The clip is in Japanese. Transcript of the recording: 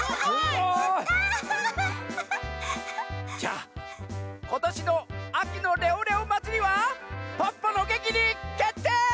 じゃあことしのあきのレオレオまつりはポッポのげきにけってい！